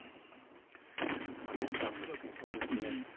また１段階進みそうですね。